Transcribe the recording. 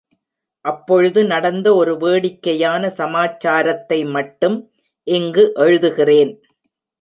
அப்பொழுது நடந்த ஒரு வேடிக்கையான சமாச்சாரத்தை மட்டும் இங்கு எழுதுகிறேன்.